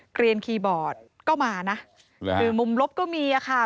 เรียนคีย์บอร์ดก็มานะคือมุมลบก็มีอะค่ะ